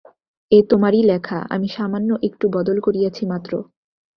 এ তোমারই লেখা, আমি সামান্য একটু বদল করিয়াছি মাত্র।